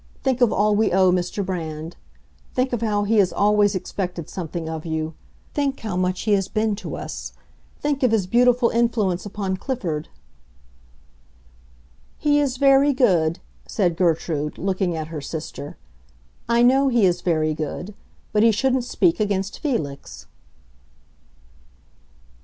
Think of all we owe Mr. Brand. Think of how he has always expected something of you. Think how much he has been to us. Think of his beautiful influence upon Clifford." "He is very good," said Gertrude, looking at her sister. "I know he is very good. But he shouldn't speak against Felix."